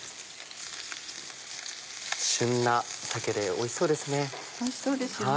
旬な鮭でおいしそうですね。